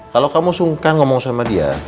kalau kamu suka ngomong sama dia